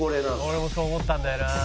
「俺もそう思ったんだよな」